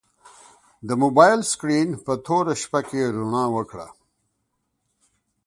د موبایل سکرین په توره شپه کې رڼا وکړه.